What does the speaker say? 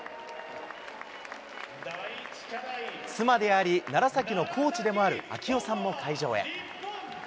妻であり、楢崎のコーチでもある啓代さんも会場へ。